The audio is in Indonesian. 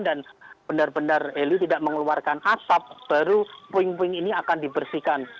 dan benar benar heli tidak mengeluarkan asap baru puing puing ini akan dibersihkan